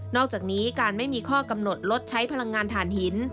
อกจากนี้การไม่มีข้อกำหนดลดใช้พลังงานฐานหิน